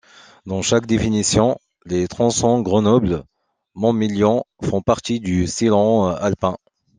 Dans chaque définition, les tronçons Grenoble - Montmélian font partie du sillon alpin.